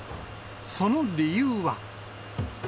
その理由は。